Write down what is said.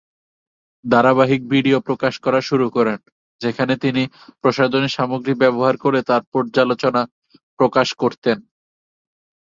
ধারাবাহিক ভিডিও প্রকাশ করা শুরু করেন, যেখানে তিনি প্রসাধনী সামগ্রী ব্যবহার করে তার পর্যালোচনা প্রকাশ করতেন।